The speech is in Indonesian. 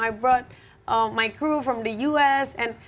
aku membawa kru saya dari as